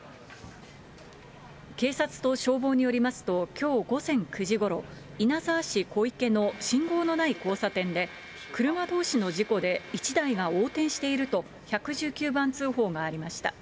警察と消防によりますと、きょう午前９時ごろ、稲沢市小池の信号のない交差点で、車どうしの事故で、１台が横転していると、１１９番通報がありました。